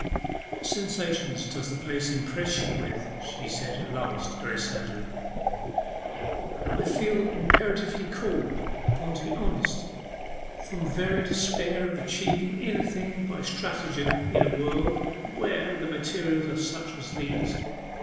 'What sensations does the place impress you with?' she said at last, very sadly. 'I feel imperatively called upon to be honest, from very despair of achieving anything by stratagem in a world where the materials are such as these.